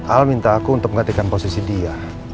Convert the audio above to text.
al minta aku untuk menggantikan posisi dia